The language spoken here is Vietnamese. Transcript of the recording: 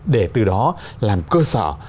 để từ đó làm cơ sở